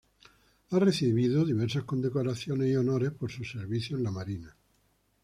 Ha recibido diversas condecoraciones y honores por sus servicios en la Marina.